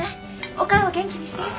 おかあは元気にしてる？